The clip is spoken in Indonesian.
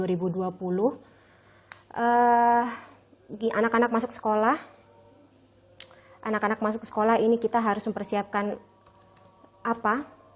anak anak masuk sekolah anak anak masuk sekolah ini kita harus mempersiapkan apa